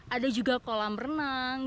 ada juga kolam renang